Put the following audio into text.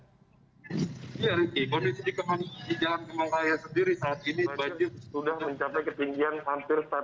ya rizky kondisi di jalan kemang saya sendiri saat ini